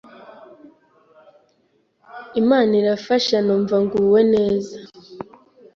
Imana irafasha numva nguwe neza,